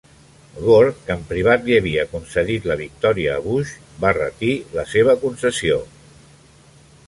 Gore, que en privat li havia concedit la victòria a Bush, va retir la seva concessió.